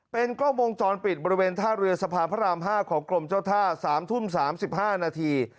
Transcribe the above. เป็นกล้องวงจรปิดบริเวณท่าเรือสะพานพระราม๕ของกรมเจ้าท่า๓ทุ่ม๓๕นาที